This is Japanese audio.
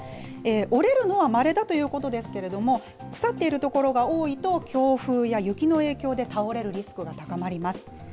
折れるのはまれだということですけれども、腐っている所が多いと、強風や雪の影響で倒れるリスクが高まります。